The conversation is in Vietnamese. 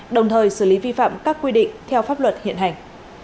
đồng thời xử lý vi phạm các quy định theo pháp luật hiện hành